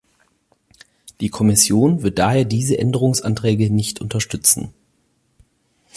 Die Kommission wird daher diese Änderungsanträge nicht unterstützen.